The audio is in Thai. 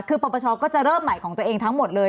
คือปปชก็จะเริ่มใหม่ของตัวเองทั้งหมดเลย